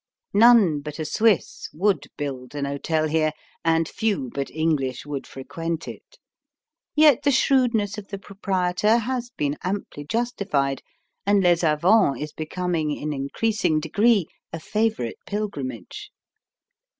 None but a Swiss would build an hotel here, and few but English would frequent it. Yet the shrewdness of the proprietor has been amply justified, and Les Avants is becoming in increasing degree a favourite pilgrimage.